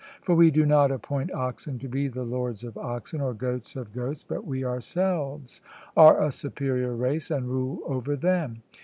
For we do not appoint oxen to be the lords of oxen, or goats of goats; but we ourselves are a superior race, and rule over them.